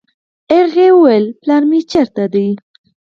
هغې وويل پلار مې چېرته دی.